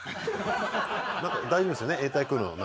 なんか大丈夫ですよね？